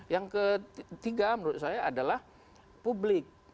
yang ketiga menurut saya adalah publik